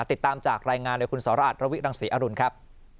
ติดตามจากรายงานโดยคุณสราชระวิรังศรีอรุณครับ